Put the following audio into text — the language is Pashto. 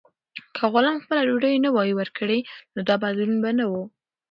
که غلام خپله ډوډۍ نه وای ورکړې، نو دا بدلون به نه و.